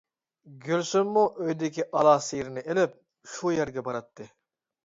گۈلسۈممۇ ئۆيىدىكى ئالا سىيىرنى ئېلىپ شۇ يەرگە باراتتى.